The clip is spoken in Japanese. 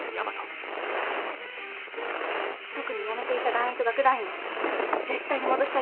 特にやめていった団員と楽団員は絶対に戻したいと思っています。